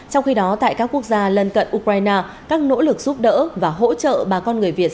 trong khi đó tại các quốc gia lân cận ukraine các nỗ lực giúp đỡ và hỗ trợ bà con người việt